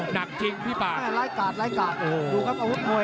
หนักจริงพี่ปากล้ายกลาดล้ายกลาด